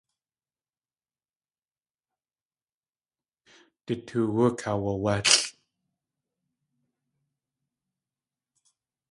Du toowú kalawálʼ!